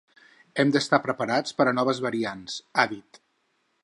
“Hem d’estar preparats per a noves variants”, ha dit.